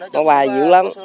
nó bay dữ lắm